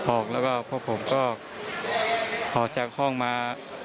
ออกแล้วก็พวกผมก็ออกจากห้องมา